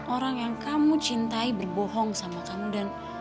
orang yang kamu cintai berbohong sama kamu dan